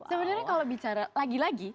sebenarnya kalau bicara lagi lagi